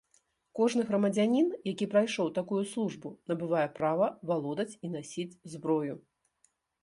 Кожны грамадзянін, які прайшоў такую службу, набывае права валодаць і насіць зброю.